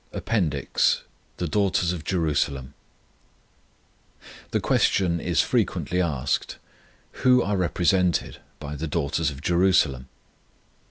APPENDIX THE DAUGHTERS OF JERUSALEM THE question is frequently asked, Who are represented by the daughters of Jerusalem?